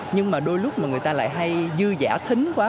nhưng mà đôi lúc mà người ta lại hay dư giả thính quá